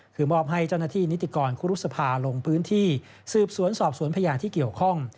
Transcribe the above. คือมอบให้เจ้าหน้าที่นิติกรคุรุษภาลงพื้นที่สืบสวนสอบสวนพยานที่เกี่ยวข้อง